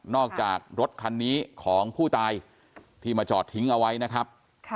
อกจากรถคันนี้ของผู้ตายที่มาจอดทิ้งเอาไว้นะครับ